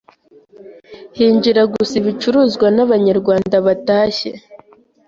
hinjira gusa ibicuruzwa n'Abanyarwanda batashye